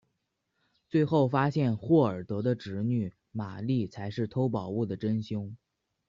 最后发现霍尔德的侄女玛丽才是偷宝物的真凶。